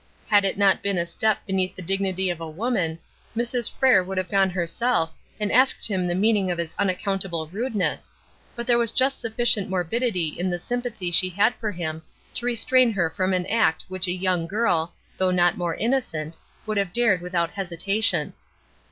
Had it not been a step beneath the dignity of a woman, Mrs. Frere would have gone herself and asked him the meaning of his unaccountable rudeness, but there was just sufficient morbidity in the sympathy she had for him to restrain her from an act which a young girl though not more innocent would have dared without hesitation.